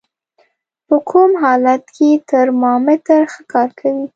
په کوم حالت کې ترمامتر ښه کار کوي؟